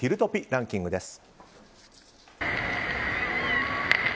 ランキングです。